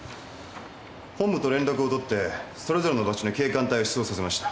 本部と連絡を取ってそれぞれの場所に警官隊を出動させました。